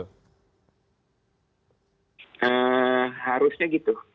hmm harusnya gitu